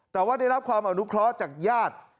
แต่ว่าได้รับความอนุเคราะห์จากญาติ